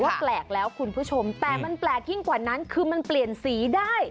แปลกแล้วคุณผู้ชมแต่มันแปลกยิ่งกว่านั้นคือมันเปลี่ยนสีได้